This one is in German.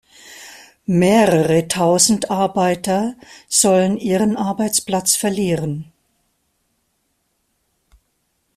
Mehrere Tausend Arbeiter sollen ihren Arbeitsplatz verlieren.